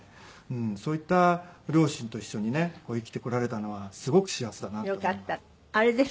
そういった両親と一緒にね生きてこられたのはすごく幸せだなと思います。